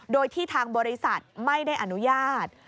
โดยที่ทางบริษัทไม่ได้อนุญาต